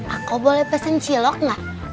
aku boleh pesen cilok nak